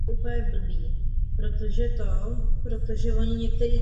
Proto se i rozprava o této problematice koná poměrně pozdě.